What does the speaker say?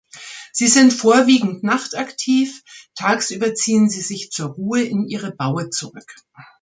Sie sind vorwiegend nachtaktiv, tagsüber ziehen sie sich zur Ruhe in ihre Baue zurück.